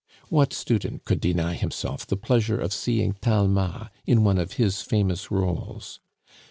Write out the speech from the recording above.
What student could deny himself the pleasure of seeing Talma in one of his famous roles?